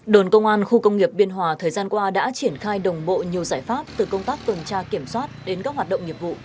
đồn công an khu công nghiệp biên hòa thời gian qua đã triển khai đồng bộ nhiều giải pháp từ công tác tuần tra kiểm soát đến các hoạt động nghiệp vụ